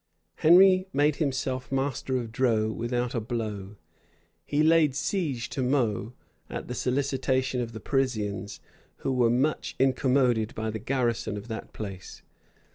[*] Henry made himself master of Dreux without a blow: he laid siege to Meaux, at the Solicitation of the Parisians, who were much incommoded by the garrison of that place.